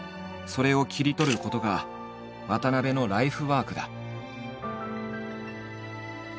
それを切り取ることが渡部のライフワークだ。